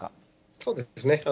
そうですね。